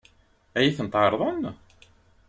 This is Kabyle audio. Ad iyi-ten-ɛeṛḍen?